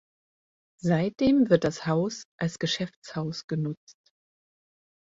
Seitdem wird das Haus als Geschäftshaus genutzt.